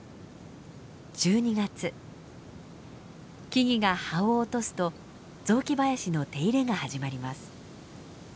木々が葉を落とすと雑木林の手入れが始まります。